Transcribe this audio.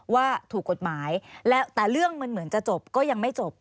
ว่าถูกกฎหมายแล้วแต่เรื่องมันเหมือนจะจบก็ยังไม่จบ